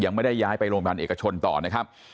ยังไม่ได้ย้ายไปโรงพยาบาลเอกชนต่อนะครับ